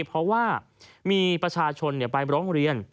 เพราะว่ามีประชาชนไปร้องเรียน